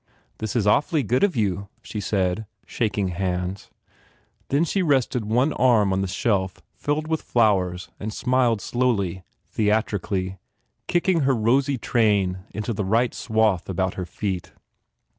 "This is awfully good of you," she said, shak ing hands. Then she rested one arm on the shelf filled with flowers and smiled slowly, theatrically, kicking her rosy train into the right swath about her feet.